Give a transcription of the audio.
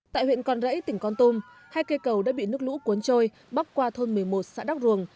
tại huyện con rẫy tỉnh con tum hai cây cầu đã bị nước lũ cuốn trôi bắp qua thôn một mươi một xã đắc ruồng